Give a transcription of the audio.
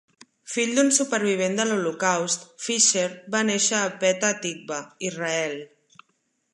Fill d'un supervivent de l'Holocaust, Fisher va néixer a Petah Tikva, Israel.